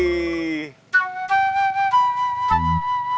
selamat datang kembali